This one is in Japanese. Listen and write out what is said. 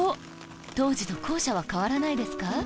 当時と校舎は変わらないですか？